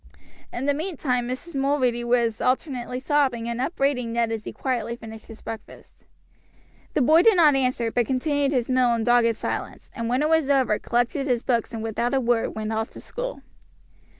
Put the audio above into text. In the meantime Mrs. Mulready was alternately sobbing and upbraiding Ned as he quietly finished his breakfast. The boy did not answer, but continued his meal in dogged silence, and when it was over collected his books and without a word went off to school.